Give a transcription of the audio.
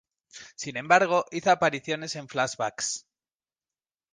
Sin embargo, hizo apariciones en "flashbacks".